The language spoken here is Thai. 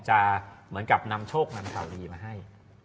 จะเหมือนกับนำโชคนำข่าวดีมาให้